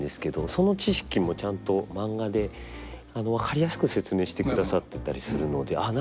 その知識もちゃんとマンガで分かりやすく説明してくださってたりするのでああ